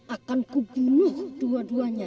akanku bunuh dua duanya